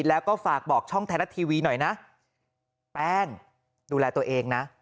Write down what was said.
แล้วก็ฝากบอกช่องไทยรัฐทีวีหน่อยนะแป้งดูแลตัวเองนะ